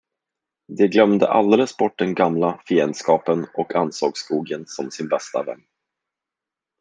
De glömde alldeles bort den gamla fiendskapen och ansåg skogen som sin bästa vän.